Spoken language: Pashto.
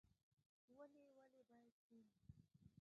ونې ولې باید پرې نشي؟